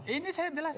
ini saya jelasin